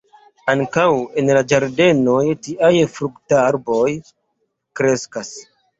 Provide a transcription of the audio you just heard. Ankaŭ en la ĝardenoj tiaj fruktarboj kreskas.